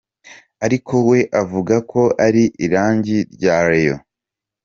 ariko we avuga ko ari irangi rya Rayon.